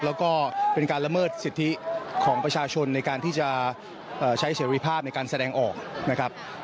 แล้วก็เป็นการละเมิดสิทธิของประชาชนในการที่จะใช้เสรีภาพในการแสดงออกนะครับ